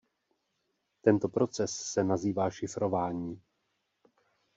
Tento proces se nazývá šifrování.